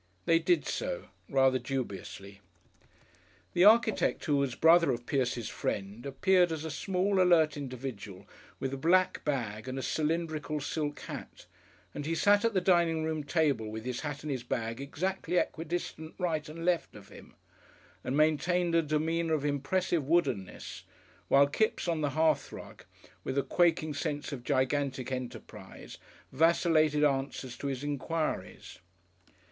They did so rather dubiously. The architect who was brother of Pierce's friend appeared as a small, alert individual with a black bag and a cylindrical silk hat, and he sat at the dining room table, with his hat and his bag exactly equidistant right and left of him, and maintained a demeanour of impressive woodenness, while Kipps on the hearthrug, with a quaking sense of gigantic enterprise, vacillated answers to his enquiries.